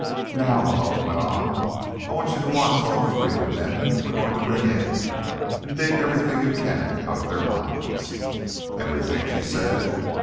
"Now," Malone went on, "I want you to watch all three of the men we're going to bring in, and dig everything you can out of their minds." "Everything?" she said.